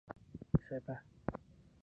ใช่ป่ะ ?